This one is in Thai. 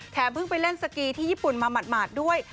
เพิ่งไปเล่นสกีที่ญี่ปุ่นมาหมาดด้วย